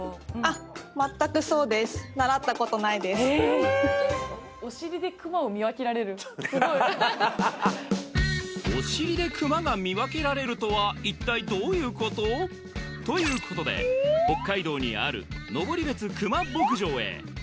まったくそうですお尻でクマを見分けられるすごいお尻でクマが見分けられるとは一体どういうこと？ということで北海道にあるのぼりべつクマ牧場へ